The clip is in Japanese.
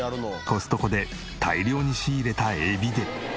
コストコで大量に仕入れたエビで。